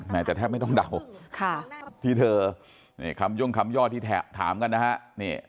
แต่แทบไม่ต้องเดาที่เธอนี่คำย่งคำย่อที่ถามกันนะฮะ